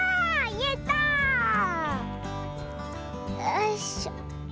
よいしょ。